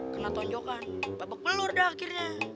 kena tonjokan babak belur dah akhirnya